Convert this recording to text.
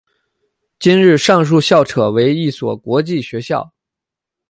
今日上述校扯为一所国际学校。